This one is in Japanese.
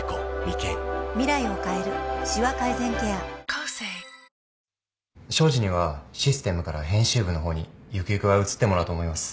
東海林にはシステムから編集部の方にゆくゆくは移ってもらおうと思います。